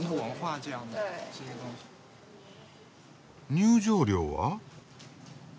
入場料は？